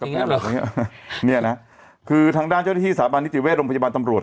แม่จริงหรอนี่นะคือทางด้านเจ้าหน้าที่สาบานนิติเวศโรงพยาบาลตำรวจ